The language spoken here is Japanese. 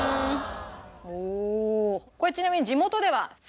これちなみに。